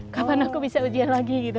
kapan aku bisa ujian lagi gitu